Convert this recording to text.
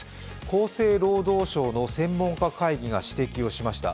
厚生労働省の専門家会議が指摘をしました。